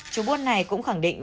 chủ buôn này cũng khẳng định